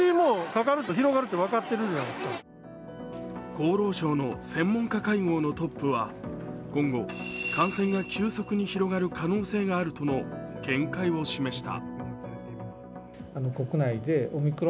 厚労省の専門家会合のトップは今後、感染が急速に広がる可能性があるとの見解を示した。